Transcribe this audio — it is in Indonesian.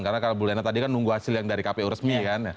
karena kalau bu lena tadi kan nunggu hasil yang dari kpu resmi kan